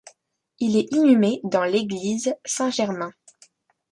Il est inhumé dans l'église Saint-Germain.